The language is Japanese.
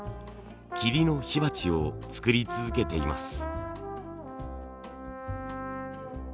桐の火鉢を作り続けています。